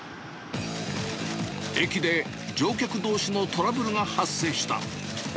駅で乗客どうしのトラブルが発生した。